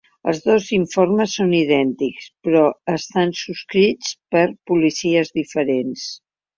Els dos informes són idèntics, però estan subscrits per policies diferents.